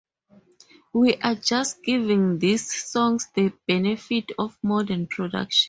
We are just giving these songs the benefit of modern production.